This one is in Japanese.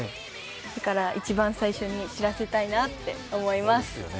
だから、一番最初に知らせたいなと思います。